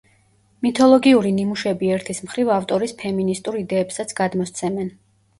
მითოლოგიური ნიმუშები ერთის მხრივ ავტორის ფემინისტურ იდეებსაც გადმოსცემენ.